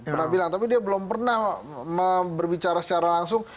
pernah bilang tapi dia belum pernah berbicara secara langsung